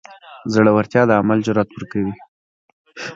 زړورتیا د عمل جرئت ورکوي.